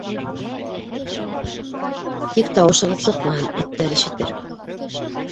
Тик тауышығыҙ сыҡмаһын, эттәр ишетер.